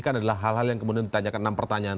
kan adalah hal hal yang kemudian ditanyakan enam pertanyaan